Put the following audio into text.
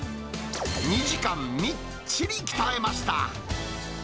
２時間みっちり鍛えました。